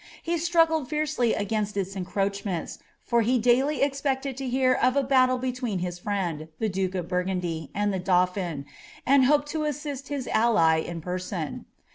He stru^led fiercely against its en croorhments, for he daily expected to hear of a haiile between his &iend, the duke of Burgundy, and the dauphin, and hoped to assist his tlly in peisoii.